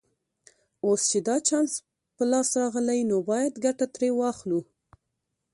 اوس چې دا چانس په لاس راغلی نو باید ګټه ترې واخلو